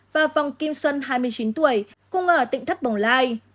và vòng kim xuân hai mươi chín tuổi cùng ở tỉnh thất bồng lai